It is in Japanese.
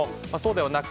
ではなく